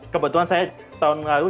kebetulan saya tahun lalu